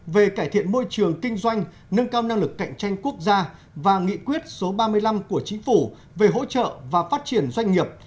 về cải thiện môi trường kinh doanh nâng cao năng lực cạnh tranh quốc gia và nghị quyết số ba mươi năm của chính phủ về hỗ trợ và phát triển doanh nghiệp